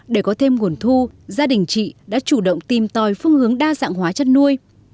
để có thêm nguồn thu gia đình chị đã chủ động tìm tòi phương hướng đa dạng hóa chất nuôi